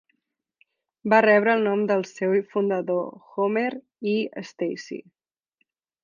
Va rebre el nom del seu fundador, Homer I. Stacy.